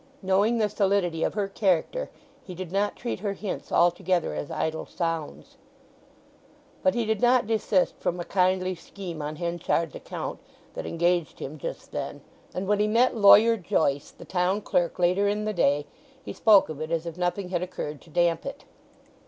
Knowing the solidity of her character he did not treat her hints altogether as idle sounds. But he did not desist from a kindly scheme on Henchard's account that engaged him just then; and when he met Lawyer Joyce, the town clerk, later in the day, he spoke of it as if nothing had occurred to damp it.